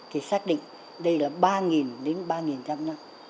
thì xác định đây là ba đến ba năm